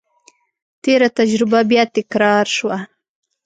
تېره تجربه بیا تکرار شوه.